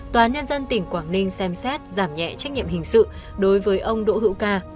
tòa nhân dân tỉnh quảng ninh xem xét giảm nhẹ trách nhiệm hình sự đối với ông đỗ hữu ca